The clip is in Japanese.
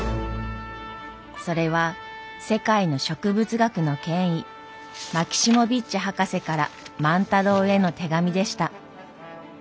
それは世界の植物学の権威マキシモヴィッチ博士から万太郎への手紙でした。